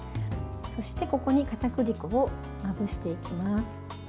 そしてここに、かたくり粉をまぶしていきます。